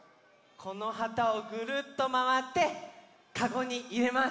このはたをぐるっとまわってかごにいれます。